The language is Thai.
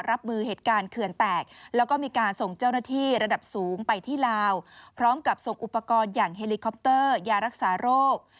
รับมือเหตุการณ์เขื่อนแตกแล้วก็มีการส่งเจ้าหน้าที่ระดับสูงไปที่ลาวพร้อมกับส่งอุปกรณ์อย่างเฮลิคอปเตอร์ยารักษาโรค